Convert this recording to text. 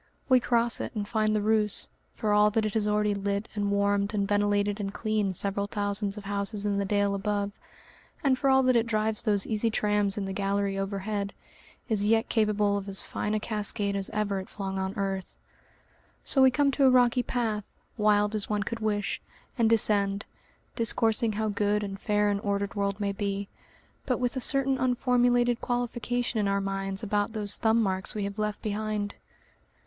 We cross it and find the Reuss, for all that it has already lit and warmed and ventilated and cleaned several thousands of houses in the dale above, and for all that it drives those easy trams in the gallery overhead, is yet capable of as fine a cascade as ever it flung on earth. So we come to a rocky path, wild as one could wish, and descend, discoursing how good and fair an ordered world may be, but with a certain unformulated qualification in our minds about those thumb marks we have left behind.